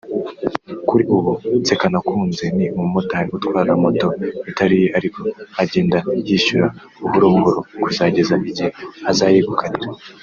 Kuri ubu Nsekanukunze ni umumotari utwara moto itariye ariko agenda yishyura buhoro buhoro kuzageza igihe azayegukanira